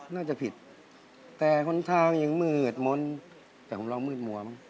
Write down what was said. ร้องได้หรือร้องผิด